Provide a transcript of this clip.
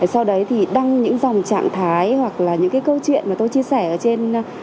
sau đấy thì đăng những dòng trạng thái hoặc là những cái câu chuyện mà tôi chia sẻ ở trên